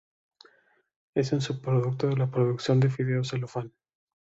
Es un subproducto de la producción de fideos celofán.